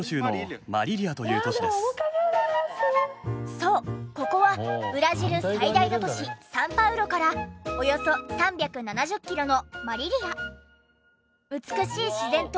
そうここはブラジル最大の都市サンパウロからおよそ３７０キロのマリリア。